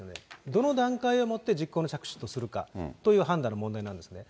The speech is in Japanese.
どの段階をもって実行の着手とするかという判断の問題なんですね。